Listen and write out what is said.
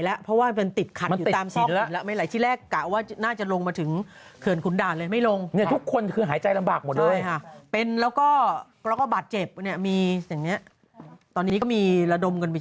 แล้วมันเป็นช่วงเปลี่ยนกันในคร่าวหนาวไงแม่มันก็จะผลมนิยมไป